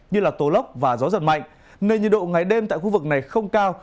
như tố lốc và gió giật mạnh nơi nhiệt độ ngay đêm tại khu vực này không cao